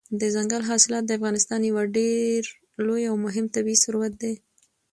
دځنګل حاصلات د افغانستان یو ډېر لوی او مهم طبعي ثروت دی.